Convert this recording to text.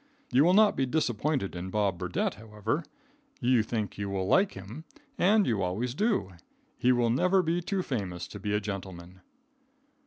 You will not be disappointed in Bob Burdette, however, You think you will like him, and you always do. He will never be too famous to be a gentleman.